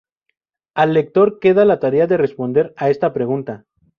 Al lector queda la tarea de responder a esta pregunta.